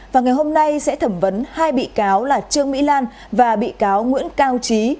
và ngày hôm nay sẽ thẩm vấn hai bị cáo là trương mỹ lan và bị cáo nguyễn cao trí